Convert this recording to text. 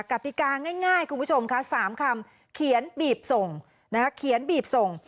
กติกาง่ายคุณผู้ชมค่ะ๓คำเขียนบีบส่งนะคะเขียนบีบส่ง